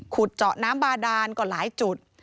ขุดเจาะน้ำบาดานก็หลายจุด